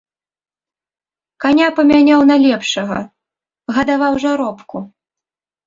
Каня памяняў на лепшага, гадаваў жаробку.